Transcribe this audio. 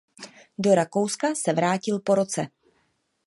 Do Rakouska se vrátil po roce.